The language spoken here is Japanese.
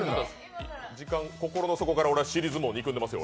心の底から俺は尻相撲を憎んでいますよ